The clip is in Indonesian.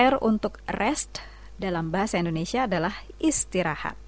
r untuk rest dalam bahasa indonesia adalah istirahat